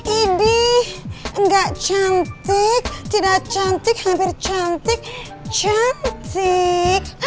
ini tidak cantik tidak cantik hampir cantik cantik